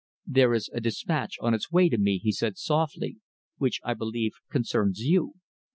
"There is a dispatch on its way to me," he said softly, "which I believe concerns you.